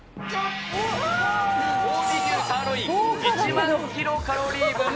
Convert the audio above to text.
近江牛サーロイン１万キロカロリー分。